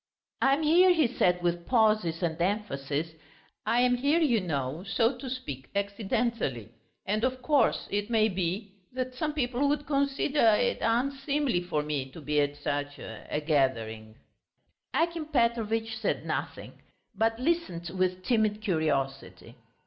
"I am here," he said, with pauses and emphasis, "I am here, you know, so to speak, accidentally, and, of course, it may be ... that some people would consider ... it unseemly for me to be at such ... a gathering." Akim Petrovitch said nothing, but listened with timid curiosity.